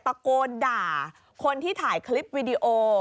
ตะโกนด่าคนที่ถ่ายคลิปวิดีโอ